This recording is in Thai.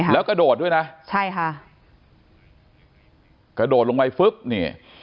แล้วกระโดดด้วยนะใช่ค่ะกระโดดลงไปปุ๊บนี่